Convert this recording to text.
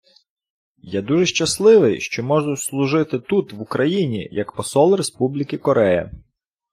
Я дуже щасливий, що можу служити тут, в Україні, як Посол Республіки Корея.